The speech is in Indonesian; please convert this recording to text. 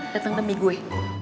dateng demi gue